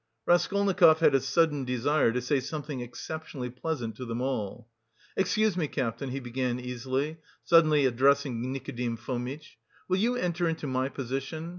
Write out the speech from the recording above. Raskolnikov had a sudden desire to say something exceptionally pleasant to them all. "Excuse me, Captain," he began easily, suddenly addressing Nikodim Fomitch, "will you enter into my position?...